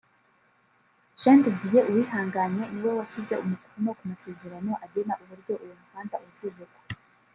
Jean de Dieu Uwihanganye niwe washyize umukono ku masezerano agena uburyo uwo muhanda uzubakwa